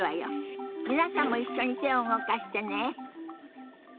皆さんも一緒に手を動かしてね。